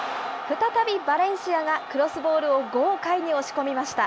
再びバレンシアがクロスボールを豪快に押し込みました。